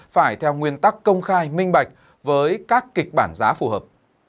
phải theo nguyên tắc công khai minh bạch với các kịch bản giá phù hợp